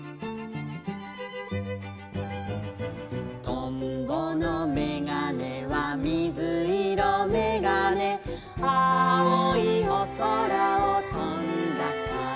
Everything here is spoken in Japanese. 「とんぼのめがねはみずいろめがね」「あおいおそらをとんだから」